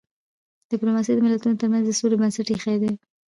ډيپلوماسي د ملتونو ترمنځ د سولې بنسټ ایښی دی.